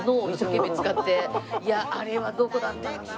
いやあれはどこだったかな？